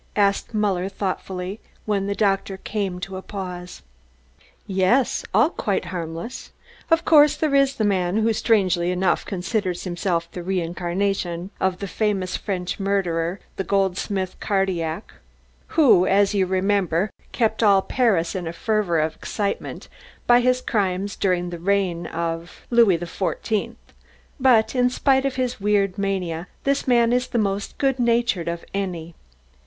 asked Muller thoughtfully, when the doctor came to a pause. "Yes, all quite harmless. Of course, there is the man who strangely enough considers himself the reincarnation of the famous French murderer, the goldsmith Cardillac, who, as you remember, kept all Paris in a fervour of excitement by his crimes during the reign of Louis XIV. But in spite of his weird mania this man is the most good natured of any.